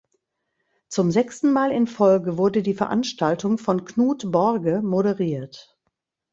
Zum sechsten Mal in Folge wurde die Veranstaltung von Knut Borge moderiert.